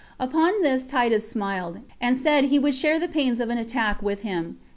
Upon this Titus smiled, and said he would share the pains of an attack with him.